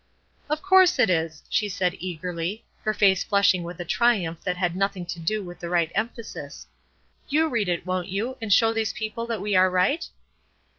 "Of course it is!" she said, eagerly, her face flushing with a triumph that had nothing to do with the right emphasis; "you read it, won't you, and show these people that we are right?"